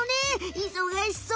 いそがしそう。